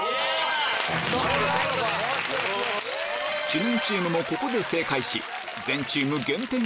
知念チームもここで正解し全チーム減点